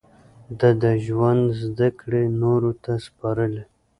ده د ژوند زده کړې نورو ته سپارلې.